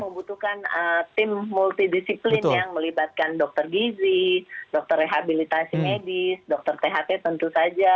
membutuhkan tim multidisiplin yang melibatkan dokter gizi dokter rehabilitasi medis dokter tht tentu saja